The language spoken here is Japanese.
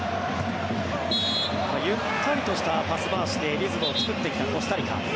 ゆったりとしたパス回しでリズムを作ってきたコスタリカ。